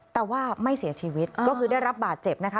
แต่ว่าไม่เสียชีวิตก็คือได้รับบาดเจ็บนะคะ